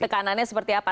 tekanannya seperti apa